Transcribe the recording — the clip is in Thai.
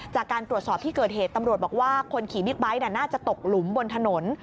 จากการตรวจสอบที่เกิดเหตุตำรวจบอกว่าคนขี่บิ๊กไบท์น่าจะตกหลุมบนถนน